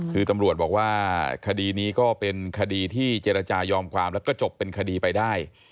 คือตำรวจบอกว่าคดีนี้ก็เป็นคดีที่เจรจายอมความแล้วก็จบเป็นคดีไปได้